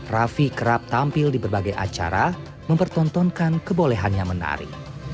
raffi kerap tampil di berbagai acara mempertontonkan kebolehannya menari